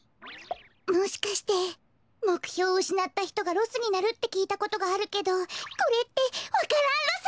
もしかしてもくひょううしなったひとがロスになるってきいたことがあるけどこれってわか蘭ロス？